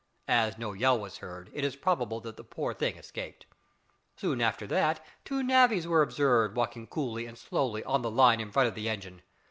As no yell was heard, it is probable that the poor thing escaped. Soon after that, two navvies were observed walking coolly and slowly on the line in front of the engine.